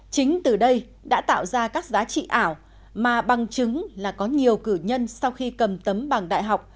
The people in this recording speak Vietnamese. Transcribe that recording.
chính từ đây đã tạo ra các giá trị ảo mà bằng chứng là có nhiều cử nhân sau khi cầm tấm bằng đại học